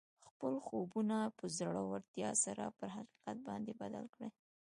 خپل خوبونه په زړورتیا سره پر حقیقت باندې بدل کړئ